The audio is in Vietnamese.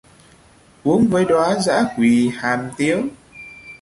Uống với đóa dã Quỳ Hàm Tiếu